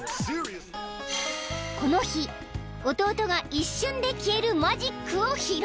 ［この日弟が一瞬で消えるマジックを披露］